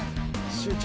集中。